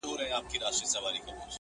چا چي کړي پر مظلوم باندي ظلمونه،